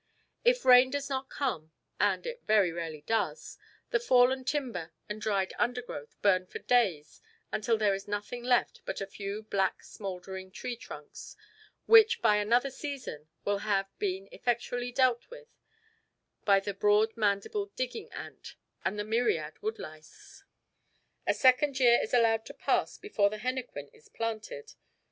If rain does not come and it very rarely does the fallen timber and dried undergrowth burn for days until there is nothing left but a few black smouldering tree trunks, which by another season will have been effectually dealt with by the broad mandibled digging ant and the myriad woodlice. A second year is allowed to pass before the henequen is planted.